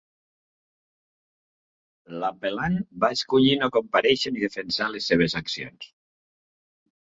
L'apel·lant va escollir no comparèixer ni defensar les seves accions.